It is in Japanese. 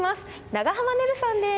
長濱ねるさんです。